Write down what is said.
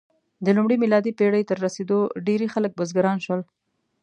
د لومړۍ میلادي پېړۍ تر رسېدو ډېری خلک بزګران شول.